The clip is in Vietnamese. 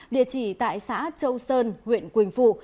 địa chỉ tại xã châu sơn huyện quỳnh phụ